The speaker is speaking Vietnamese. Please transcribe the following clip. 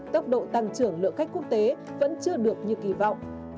tốc độ tăng trưởng lượng khách quốc tế vẫn chưa được như kỳ vọng